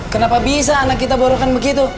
kenapa bisa anak kita borokan begitu